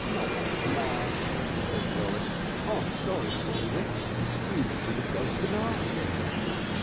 "My lad," said Jolliffe, "I'm sorry for all this; you should have gone to the mast head."